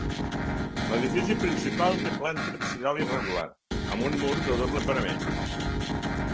L'edifici principal té planta absidal irregular, amb un mur de doble parament.